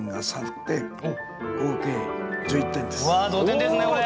同点ですねこれ。